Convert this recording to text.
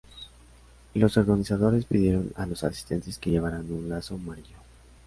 Los organizadores pidieron a los asistentes que llevaran un lazo amarillo.